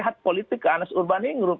hak politik ke anas urbaningrum